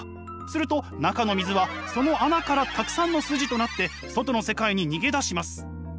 すると中の水はその穴からたくさんの筋となって外の世界に逃げ出します。